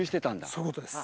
そういうことです。